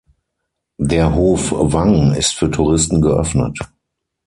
Der Hof Wang ist für Touristen geöffnet.